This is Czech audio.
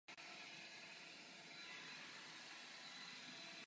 Zakladatel lotyšské národní opery.